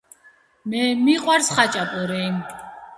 მე მიყვარს ხაჭაპური.